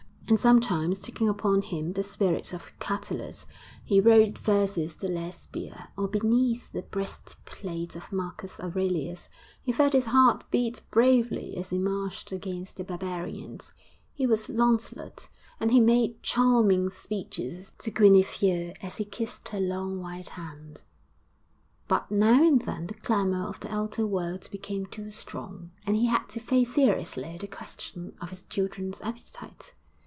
And sometimes, taking upon him the spirit of Catullus, he wrote verses to Lesbia, or, beneath the breast plate of Marcus Aurelius, he felt his heart beat bravely as he marched against the barbarians; he was Launcelot, and he made charming speeches to Guinevere as he kissed her long white hand.... But now and then the clamour of the outer world became too strong, and he had to face seriously the question of his children's appetite.